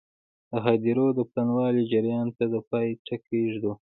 د هدیرو د پلنوالي جریان ته د پای ټکی ږدو.